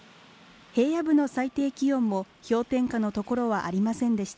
平野部の最低気温も氷点下の所はありませんでした